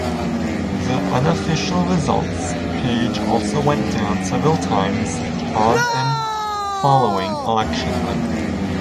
The unofficial results page also went down several times on and following election night.